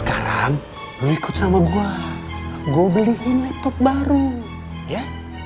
sekarang lo ikut sama gue gue beliin laptop baru ya